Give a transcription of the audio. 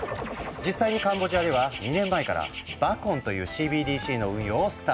実際にカンボジアでは２年前から「バコン」というＣＢＤＣの運用をスタート。